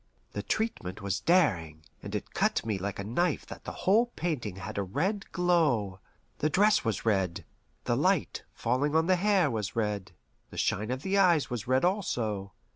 The treatment was daring, and it cut me like a knife that the whole painting had a red glow: the dress was red, the light falling on the hair was red, the shine of the eyes was red also.